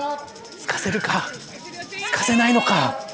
すかせるか、すかせないのか。